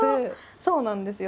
そうなんですよ。